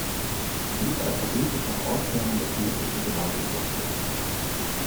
Sie ist alphabetisch nach Ortsnamen der politischen Gemeinden sortiert.